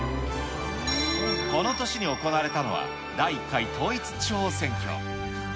この年に行われたのは、第１回統一地方選挙。